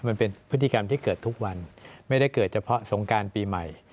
มันเป็นพฤติกรรมที่เกิดทุกวันไม่ได้เกิดเฉพาะสงการปีใหม่